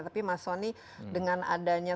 tapi mas soni dengan adanya